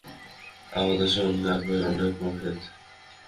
আমাদের সঙ্গে আপনার অনেক প্রভেদ।